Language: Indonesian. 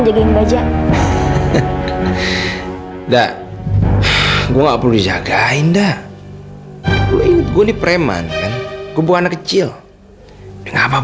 jagain gajah ndak gua nggak perlu dijaga indah gue ini gue di preman kan kubu anak kecil ngapa